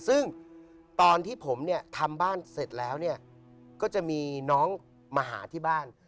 ซึ่งตอนที่ผมเนี่ยทำบ้านเสร็จแล้วเนี่ยก็จะมีน้องมาหาที่บ้าน